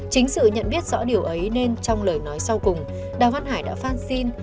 chính sự nhận biết rõ điều ấy nên trong lời nói sau cùng đào văn hải đã phan xin